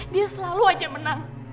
dia selalu aja menang